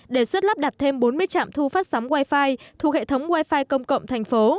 để suốt lắp đặt thêm bốn mươi trạm thu phát sóng wi fi thu hệ thống wi fi công cộng thành phố